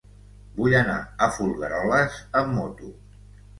Vull anar a Folgueroles amb moto.